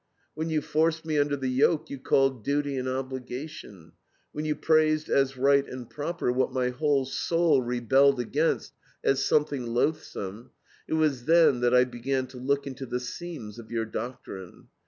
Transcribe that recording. When you forced me under the yoke you called Duty and Obligation; when you praised as right and proper what my whole soul rebelled against as something loathsome; it was then that I began to look into the seams of your doctrine.